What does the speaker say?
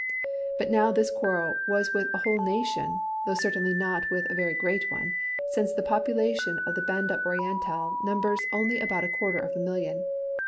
But now this quarrel was with a whole nation, though certainly not with a very great one, since the population of the Banda Orientál numbers only about a quarter of a million.